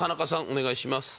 お願いします。